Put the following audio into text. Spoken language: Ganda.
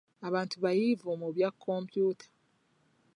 Abantu bayivu mu bya kompyuta.